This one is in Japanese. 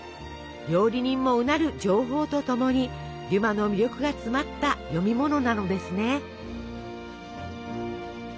料理人もうなる情報とともにデュマの魅力が詰まった読み物なのですね。